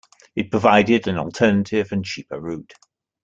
It provided an alternative and cheaper route.